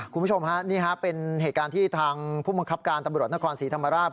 คุณผู้ชมฮะนี่ฮะเป็นเหตุการณ์ที่ทางผู้บังคับการตำรวจนครศรีธรรมราช